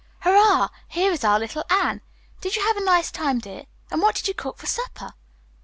Hurrah! Here is our little Anne. Did you have a nice time, dear, and what did you cook for supper?"